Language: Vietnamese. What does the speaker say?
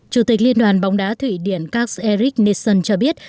chủ tịch liên đoàn bóng đá thụy điển cax eric nissen cho biết